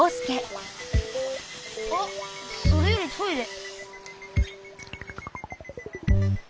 あっそれよりトイレ。